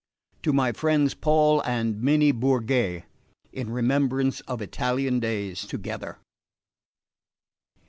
TO MY FRIENDS PAUL AND MINNIE BOURGET IN REMEMBRANCE OF ITALIAN DAYS TOGETHER.